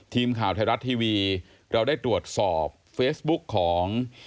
ทีมข่าวไทยรัฐทีวีเราได้ตรวจสอบเฟซบุ๊กของ